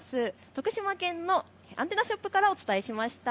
徳島県のアンテナショップからお伝えしました。